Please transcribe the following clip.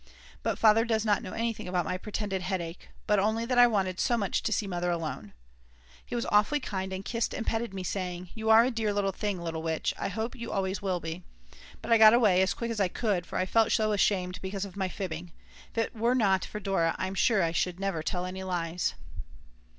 But Father does not know anything about my pretended headache, but only that I wanted so much to see Mother alone. He was awfully kind and kissed and petted me, saying: "You are a dear little thing, little witch, I hope you always will be." But I got away as quick as I could, for I felt so ashamed because of my fibbing. If it were not for Dora I'm sure I should never tell any lies.